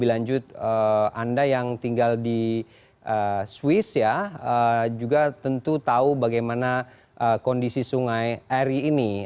anda yang tinggal di swiss ya juga tentu tahu bagaimana kondisi sungai aire ini